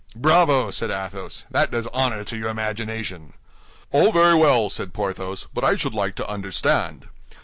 "Bravo!" said Athos; "that does honor to your imagination." "All very well," said Porthos, "but I should like to understand."